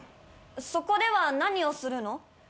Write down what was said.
そこでは何をするの？